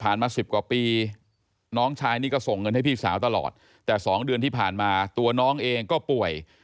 มา๑๐กว่าปีน้องชายนี่ก็ส่งเงินให้พี่สาวตลอดแต่๒เดือนที่ผ่านมาตัวน้องเองก็ป่วย